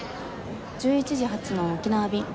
１１時発の沖縄便。